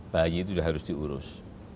bayi itu sudah harus diurus